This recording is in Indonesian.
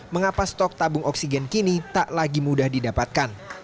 mengapa stok tabung oksigen kini tak lagi mudah didapatkan